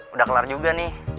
udah kelar juga nih